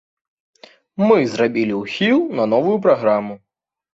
Мы зрабілі ўхіл на новую праграму.